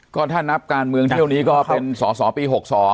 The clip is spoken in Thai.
ก็ถ้านับการเมืองเที่ยวนี้ก็เป็นสอสอปี๖๒